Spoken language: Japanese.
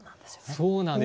そうなんです。